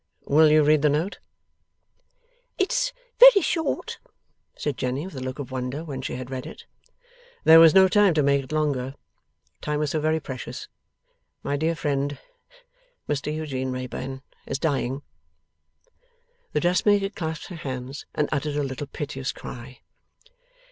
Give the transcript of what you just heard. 'Will you read the note?' 'It's very short,' said Jenny, with a look of wonder, when she had read it. 'There was no time to make it longer. Time was so very precious. My dear friend Mr Eugene Wrayburn is dying.' The dressmaker clasped her hands, and uttered a little piteous cry.